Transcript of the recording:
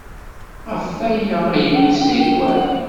Ɣef waya ay yemmut Saɛid Waɛli.